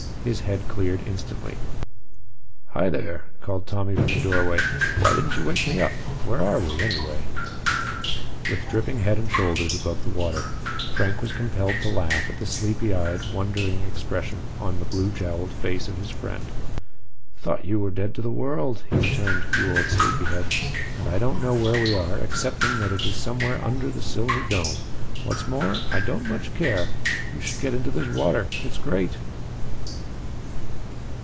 His head cleared instantly. "Hi there!" called Tommy from the doorway. "Why didn't you wake me up? Where are we, anyway?" With dripping head and shoulders above the water, Frank was compelled to laugh at the sleepy eyed, wondering expression on the blue jowled face of his friend. "Thought you were dead to the world," he returned, "you old sleepy head. And I don't know where we are, excepting that it is somewhere under the silver dome. What's more, I don't much care. You should get into this water. It's great!"